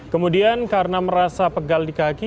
kemudian karena merasa pegal di kaki